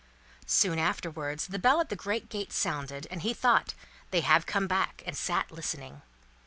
Soon afterwards, the bell at the great gate sounded, and he thought, "They have come back!" and sat listening.